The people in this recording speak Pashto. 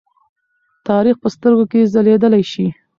تاریخ په سترګو کې ځليدلی شي.